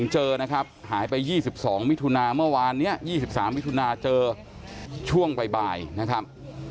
เจอนะครับหายไป๒๒มิถุนาเมื่อวานนี้๒๓มิถุนาเจอช่วงบ่ายนะครับ